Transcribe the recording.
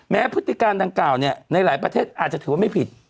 พฤติการดังกล่าวในหลายประเทศอาจจะถือว่าไม่ผิด